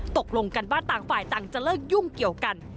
ตกลงกันว่าต่างฝ่ายต่างจะเลิกยุ่งเกี่ยวกัน